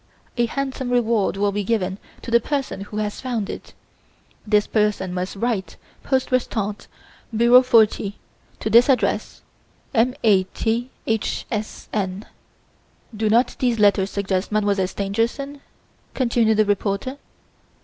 A handsome reward will be given to the person who has found it. This person must write, poste restante, bureau 40, to this address: M. A. T. H. S. N.' Do not these letters suggest Mademoiselle Stangerson?" continued the reporter.